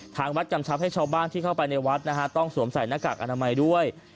ทางวัดกำชับให้ชาวบ้านที่เข้าไปในวัดนะฮะต้องสวมใส่หน้ากากอนามัยด้วย